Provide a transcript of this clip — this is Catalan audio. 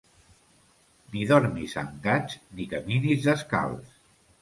Ni dormis amb gats ni caminis descalç.